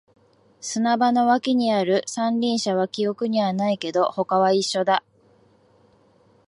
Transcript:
砂場の脇にある三輪車は記憶にはないけど、他は一緒だ